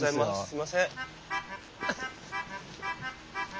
すいません。